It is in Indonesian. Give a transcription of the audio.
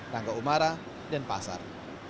rangga umara denpasar